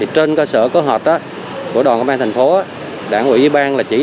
trên cơ sở cơ hợp của đoàn công an thành phố đảng ủy ủy ban là chỉnh